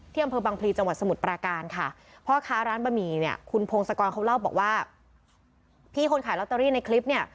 เที่ยมเ